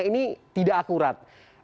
ini tidak akurat